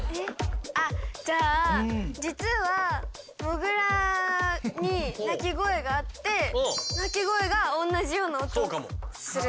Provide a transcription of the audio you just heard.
あっじゃあ実はもぐらに鳴き声があって鳴き声が同じような音がする。